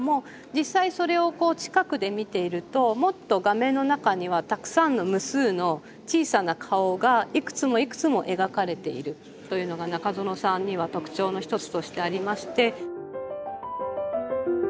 実際それをこう近くで見ているともっと画面の中にはたくさんの無数の小さな顔がいくつもいくつも描かれているというのが中園さんには特徴の一つとしてありまして。